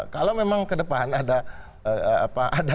kalau memang ke depan ada